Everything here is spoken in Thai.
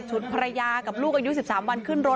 ภรรยากับลูกอายุ๑๓วันขึ้นรถ